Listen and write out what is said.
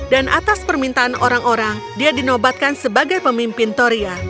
dan atas permintaan orang orang dia dinobatkan sebagai pemimpin toria